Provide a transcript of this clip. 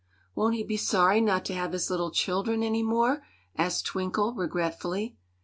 "Won't he be sorry not to have his little children any more?" asked Twinkle, regretfully.